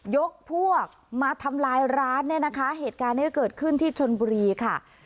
ยกพวกมาทำลายร้านเนี่ยนะคะเหตุการณ์นี้เกิดขึ้นที่ชนบุรีค่ะ